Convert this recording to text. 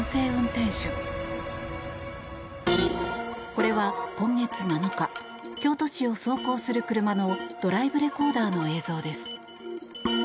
これは今月７日京都市を走行する車のドライブレコーダーの映像です。